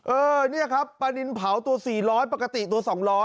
เออนี่ครับปลานินเผาตัว๔๐๐ปกติตัว๒๐๐